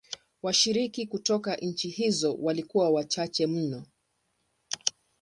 Washiriki kutoka nchi hizi walikuwa wachache mno.